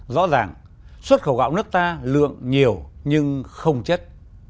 rõ ràng xuất khẩu gạo nước ta lượng nhiều nhưng không chất